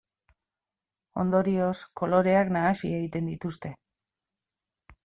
Ondorioz, koloreak nahasi egiten dituzte.